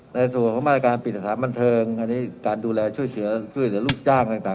ในส่วนของมาตรการปิดสถานบันเทิงอันนี้การดูแลช่วยเหลือลูกจ้างต่าง